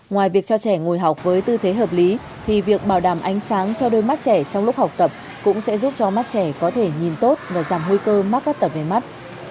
ngoài việc cho trẻ ngồi học với tư thế hợp lý thì việc bảo đảm ánh sáng cho đôi mắt trẻ trong lúc học tập cũng sẽ giúp cho mắt trẻ có thể nhìn tốt và giảm nguy cơ mắc các tập về mắt